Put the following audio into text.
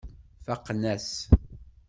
Faqen-as.